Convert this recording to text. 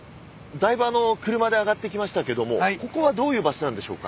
だいぶ車で上がってきましたけどもここはどういう場所なんでしょうか？